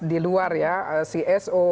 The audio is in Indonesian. di luar ya cso